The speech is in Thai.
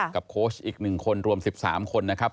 โค้ชอีก๑คนรวม๑๓คนนะครับ